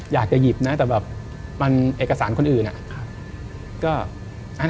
อยากจะหยิบนะแต่แบบมันเอกสารคนอื่นอะ